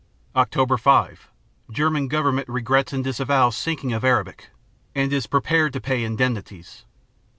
_Oct. 5 German Government regrets and disavows sinking of "Arabic" and is prepared to pay indemnities.